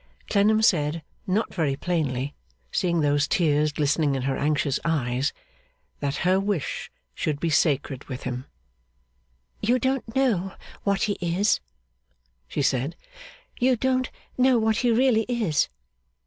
Clennam said not very plainly, seeing those tears glistening in her anxious eyes that her wish should be sacred with him. 'You don't know what he is,' she said; 'you don't know what he really is.